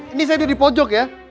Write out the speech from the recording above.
ini saya ada di pojok ya